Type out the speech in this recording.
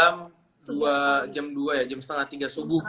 andrea setelah itu dipindahin sekitar jam dua jam dua ya jam setengah tiga subuh